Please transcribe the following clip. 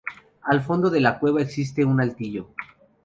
Al fondo de la cueva existe un altillo.